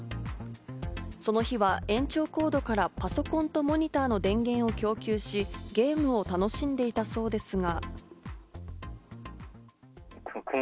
その日は延長コードからパソコンとモニターの電源を供給し、ゲームを楽しんでいたそうですが。